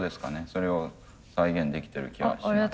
それを再現できてる気がします。